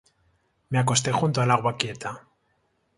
Me acosté junto al agua quieta.